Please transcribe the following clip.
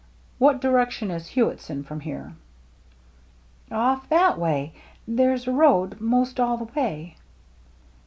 What direction is Hewittson from here ?" "Off that way. There's a road 'most all the way."